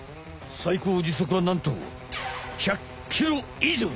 さいこう時速はなんと１００キロ以上！